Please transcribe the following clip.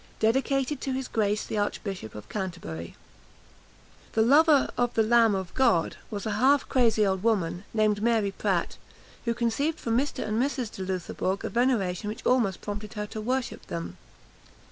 Dedicated to his Grace the Archbishop of Canterbury_. This "Lover of the Lamb of God" was a half crazy old woman, named Mary Pratt, who conceived for Mr. and Mrs. de Loutherbourg a veneration which almost prompted her to worship them.